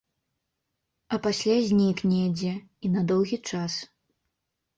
А пасля знік недзе, і на доўгі час.